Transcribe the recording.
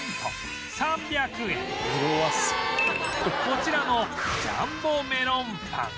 こちらのジャンボメロンパン